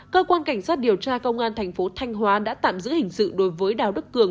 cơ quan cảnh sát điều tra công an thành phố thanh hóa đã tạm giữ hình sự đối với đào đức cường